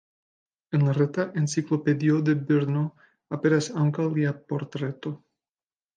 En reta Enciklopedio de Brno aperas ankaŭ lia portreto.